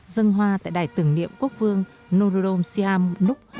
dân hoa tại đài tưởng niệm quốc vương norodom siam nuk